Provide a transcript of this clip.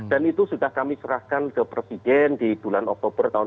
dan itu sudah kami serahkan ke presiden di bulan oktober tahun dua ribu tujuh belas